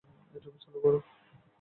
YouTube চালু করো।